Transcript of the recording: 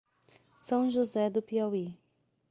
São José do Piauí